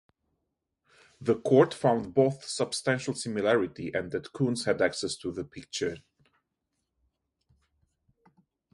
The Court found both "substantial similarity" and that Koons had access to the picture.